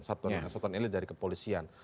satuan elit dari kepolisian